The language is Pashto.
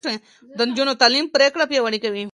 د نجونو تعليم پرېکړې پياوړې کوي.